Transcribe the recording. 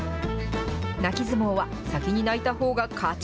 泣き相撲は、先に泣いたほうが勝ち。